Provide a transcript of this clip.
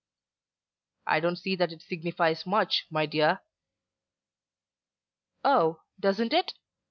"I don't see that it signifies much, my dear." "Oh; doesn't it?